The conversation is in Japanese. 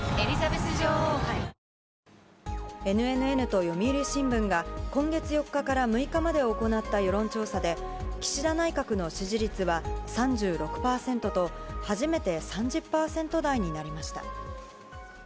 ＮＮＮと読売新聞が今月４日から６日まで行った世論調査で、岸田内閣の支持率は３６％と、初めて３０％台になりました。